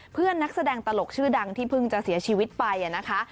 เพื่อนนักแสดงตลกชื่อดังที่เพิ่งจะเสียชีวิตไปนะคะ